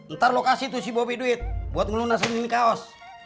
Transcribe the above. ntar lo kasih tuh si bobi duit buat ngelunasin ini kaos